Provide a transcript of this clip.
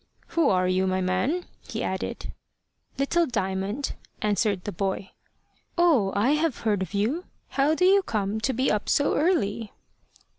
"Who are you, my man?" he added. "Little Diamond," answered the boy. "Oh! I have heard of you. How do you come to be up so early?"